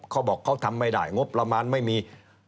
เขาบอกเขาทำไม่ได้งบประมาณไม่มี